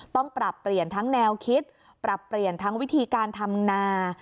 ต้องปรับเปลี่ยนทั้งแนวคิดปรับเปลี่ยนทั้งวิธีการทำนา